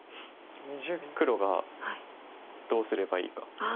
黒がどうすればいいか。